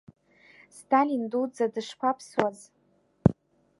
Сталин дуӡӡа дышԥаԥсуаз?!